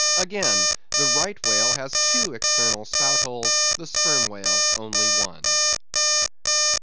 Again, the Right Whale has two external spout holes, the Sperm Whale only one.